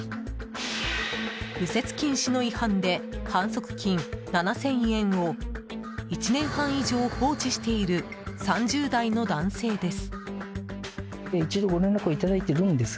右折禁止の違反で反則金７０００円を１年半以上放置している３０代の男性です。